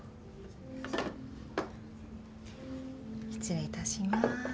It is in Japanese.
失礼いたします。